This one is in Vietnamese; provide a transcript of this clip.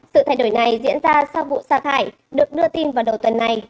sự thay đổi này diễn ra sau vụ xa thải được đưa tin vào đầu tuần này